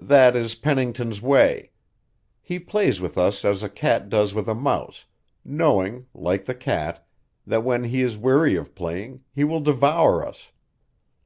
"That is Pennington's way. He plays with us as a cat does with a mouse, knowing, like the cat, that when he is weary of playing, he will devour us.